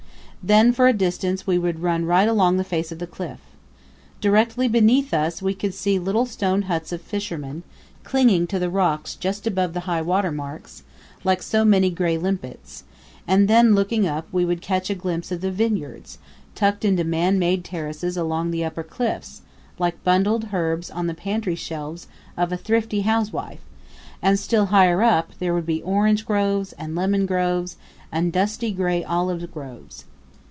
Then for a distance we would run right along the face of the cliff. Directly beneath us we could see little stone huts of fishermen clinging to the rocks just above high water mark, like so many gray limpets; and then, looking up, we would catch a glimpse of the vineyards, tucked into man made terraces along the upper cliffs, like bundled herbs on the pantry shelves of a thrifty housewife; and still higher up there would be orange groves and lemon groves and dusty gray olive groves.